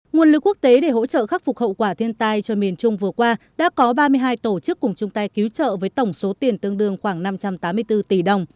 nguồn lực quốc tế để hỗ trợ khắc phục hậu quả thiên tai cho miền trung vừa qua đã có ba mươi hai tổ chức cùng chung tay cứu trợ với tổng số tiền tương đương khoảng năm trăm tám mươi bốn tỷ đồng